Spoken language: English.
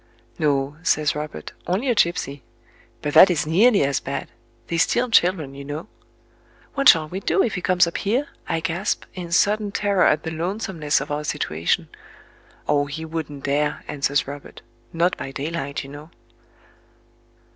"No," says Robert,—"only a gipsy. But that is nearly as bad. They steal children, you know."... "What shall we do if he comes up here?" I gasp, in sudden terror at the lonesomeness of our situation. "Oh, he wouldn't dare," answers Robert—"not by daylight, you know."...